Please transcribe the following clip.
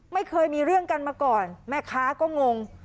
ไม่เคยมีเรื่องกันมาก่อนแม่ค้าก็งง